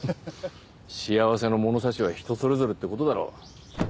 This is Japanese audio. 幸せの物差しは人それぞれって事だろ。